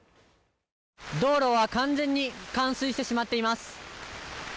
道路は完全に冠水してしまっています。